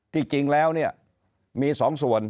ที่จริงแล้วเนี่ยมี๒ส่วน